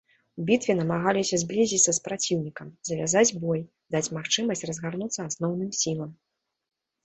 У бітве намагаліся зблізіцца з праціўнікам, завязаць бой, даць магчымасць разгарнуцца асноўным сілам.